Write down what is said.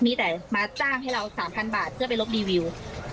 มีแต่มาจ้างให้เรา๓๐๐บาทเพื่อไปลบรีวิว